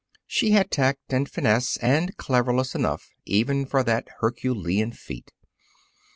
She had tact and finesse and cleverness enough even for that herculean feat.